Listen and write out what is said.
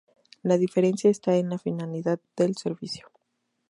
La diferencia está en la finalidad del servicio.